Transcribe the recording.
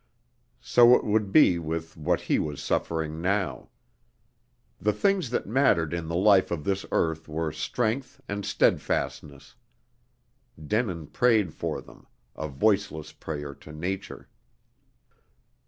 So it would be with what he was suffering now. The things that mattered in the life of this earth were strength and steadfastness. Denin prayed for them, a voiceless prayer to Nature.